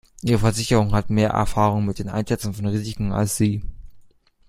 Ihre Versicherung hat mehr Erfahrung mit dem Einschätzen von Risiken als Sie.